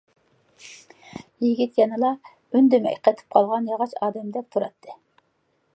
يىگىت يەنىلا ئۈندىمەي قېتىپ قالغان ياغاچ ئادەمدەك تۇراتتى.